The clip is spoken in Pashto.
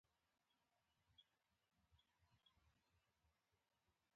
پانګوال د خپل کاروبار ګټورتوب ویني.